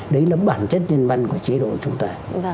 đấy là bản chất nhân văn của chế độ chúng ta